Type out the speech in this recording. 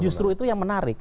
justru itu yang menarik